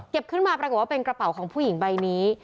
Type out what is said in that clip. ขึ้นมาปรากฏว่าเป็นกระเป๋าของผู้หญิงใบนี้